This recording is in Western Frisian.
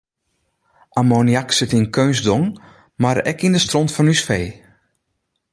Ammoniak sit yn keunstdong, mar ek yn de stront fan ús fee.